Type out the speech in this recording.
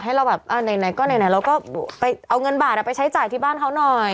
ใช่เขาเลยอยากให้เราแบบเอาเงินบาทไปใช้จ่ายที่บ้านเขาหน่อย